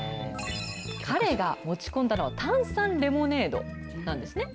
彼が持ち込んだのは炭酸レモネードなんですね。